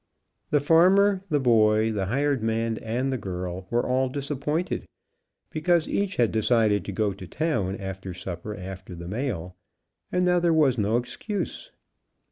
The farmer, the boy, the hired man and the girl were all disappointed, because each had decided to go to town after supper, after the mail, and now there was no excuse.